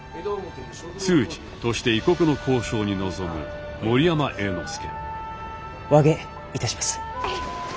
通詞として異国との交渉に臨む森山栄之助和解いたします。